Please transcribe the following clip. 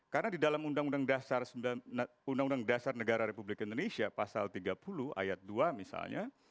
karena di dalam undang undang dasar negara republik indonesia pasal tiga puluh ayat dua misalnya